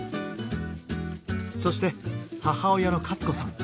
そして母親のカツ子さん。